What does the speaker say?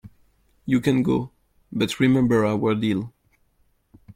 You can go, but remember our deal.